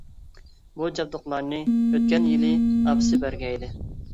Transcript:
بۇ جابدۇقلارنى ئۆتكەن يىلى ئاپىسى بەرگەن ئىدى.